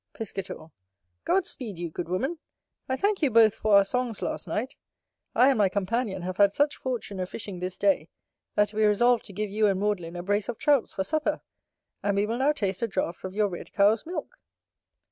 Piscator. God speed you, good woman! I thank you both for our songs last night: I and my companion have had such fortune a fishing this day, that we resolve to give you and Maudlin a brace of Trouts for supper; and we will now taste a draught of your red cow's milk.